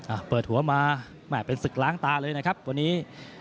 อ่าเปิดหัวมาแม่เป็นศึกล้างตาเลยนะครับวันนี้